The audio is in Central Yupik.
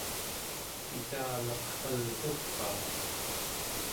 kitalaq kalguraa